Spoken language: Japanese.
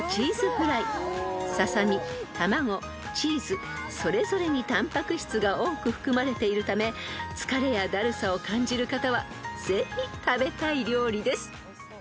［ささみ卵チーズそれぞれにたんぱく質が多く含まれているため疲れやだるさを感じる方はぜひ食べたい料理です］